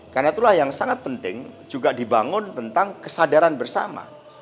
karena itulah yang sangat penting juga dibangun tentang kesadaran bersama